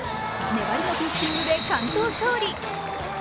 粘りのピッチングで完投勝利。